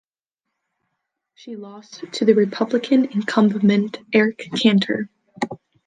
She lost to the Republican incumbent, Eric Cantor.